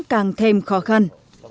càng thêm khó khăn